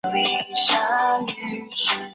宜宾碘泡虫为碘泡科碘泡虫属的动物。